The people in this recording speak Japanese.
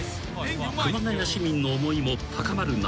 ［熊谷市民の思いも高まる中］